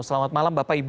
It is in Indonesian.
selamat malam bapak ibu